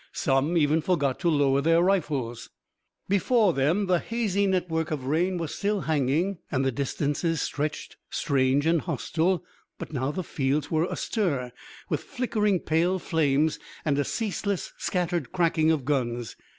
Some even forgot to lower their rifles. Before them the hazy network of rain was still hanging and the distances stretched, strange and hostile. But now the fields were astir with flickering pale flames and a ceaseless scattered cracking of guns.